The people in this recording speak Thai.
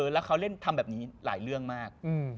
แล้วเขาเล่นทำแบบนี้หลายเรื่องมาก